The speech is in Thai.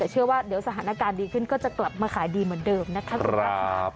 แต่เชื่อว่าเดี๋ยวสถานการณ์ดีขึ้นก็จะกลับมาขายดีเหมือนเดิมนะครับ